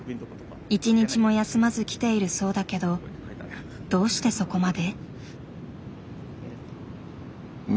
一日も休まず来ているそうだけどどうしてそこまで？